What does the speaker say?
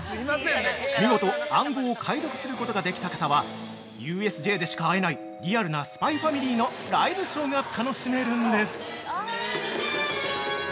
◆見事暗号を解読することができた方は、ＵＳＪでしか会えないリアルな「ＳＰＹｘＦＡＭＩＬＹ」のライブショーが楽しめるんです！